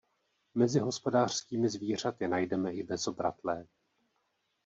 Mezi hospodářskými zvířaty najdeme i bezobratlé.